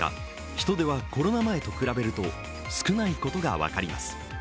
人出はコロナ前と比べると少ないことが分かります。